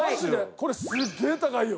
これすっげえ高いよ。